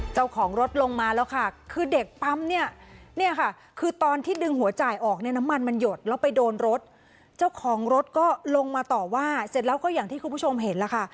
เจ้าของรถลงมาแล้วค่ะคือเด็กปั๊มเนี่ยเนี่ยค่ะคือตอนที่ดึงหัวจ่ายออกเนี่ยน้ำมันมันหยดแล้วไปโดนรถเจ้าของรถก็ลงมาต่อว่าเสร็จแล้วก็อย่างที่คุณผู้ชมเห็นล่ะค่ะ